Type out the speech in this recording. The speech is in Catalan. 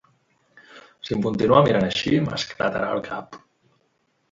Si em continua mirant així m'esclatarà el cap.